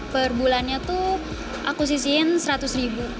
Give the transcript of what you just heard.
per bulannya tuh aku sisihin seratus ribu